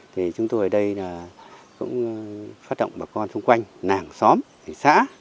thì chúng tôi ở đây là cũng phát động bà con xung quanh nàng xóm xã